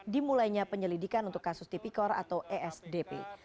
dimulainya penyelidikan untuk kasus tipikor atau esdp